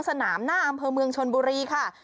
สนามหน้าอำเภอเมืองชนบุรีค่ะ